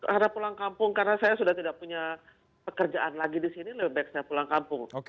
karena pulang kampung karena saya sudah tidak punya pekerjaan lagi di sini lebih baik saya pulang kampung